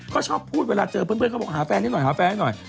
ก็ชอบพูดเวลาเจอเพื่อนเขาบอกหาแฟนให้หน่อยหาแฟนหน่อย